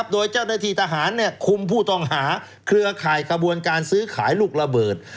โดยเจ้าหน้าที่ทหารคุมผู้ต้องหาเครือข่ายกระบวนการซื้อขายลูกระเบิด